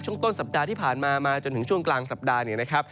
ต้นสัปดาห์ที่ผ่านมามาจนถึงช่วงกลางสัปดาห์เนี่ยนะครับ